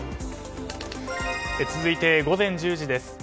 続いて、午前１０時です。